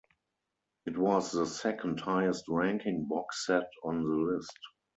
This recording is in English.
It was the second-highest ranking box set on the list.